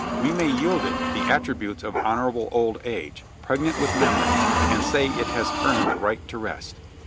We may yield it the attributes of honorable old age, pregnant with memories, and say it has earned the right to rest.